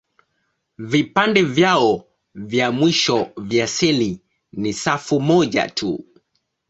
Vipande vyao vya mwisho vya seli ni safu moja tu.